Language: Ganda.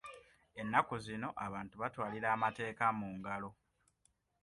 Ennaku zino abantu batwalira amateeka mu ngalo.